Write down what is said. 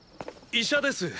医者です。